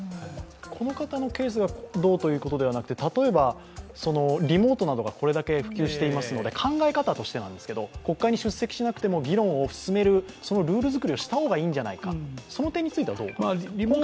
この方のケースがどうとかいうことではなくて、例えば、リモートなどがこれだけ普及していますので、考え方としてですが、国会に出席しなくても議論を進めるルールづくりをした方がいいのではないか、その点についてどうですか？